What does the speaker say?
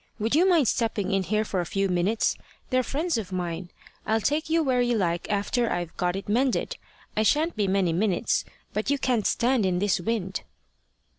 Would you mind stepping in here for a few minutes? They're friends of mine. I'll take you where you like after I've got it mended. I shan't be many minutes, but you can't stand in this wind."